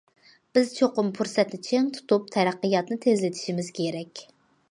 بىز چوقۇم پۇرسەتنى چىڭ تۇتۇپ تەرەققىياتنى تېزلىتىشىمىز كېرەك.